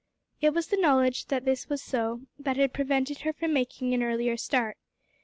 It was the knowledge that this was so that had prevented her from making an earlier start.